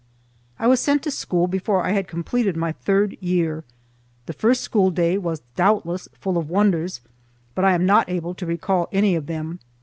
I was sent to school before I had completed my third year. The first schoolday was doubtless full of wonders, but I am not able to recall any of them.